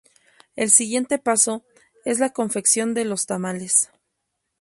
El siguiente paso, es la confección de los tamales.